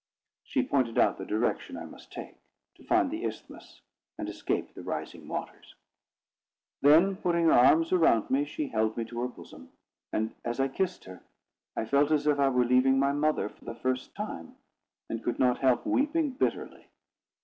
She pointed out the direction I must take, to find the isthmus and escape the rising waters. Then putting her arms around me, she held me to her bosom; and as I kissed her, I felt as if I were leaving my mother for the first time, and could not help weeping bitterly.